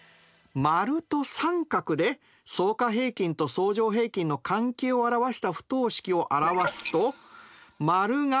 ○と△で相加平均と相乗平均の関係を表した不等式を表すと。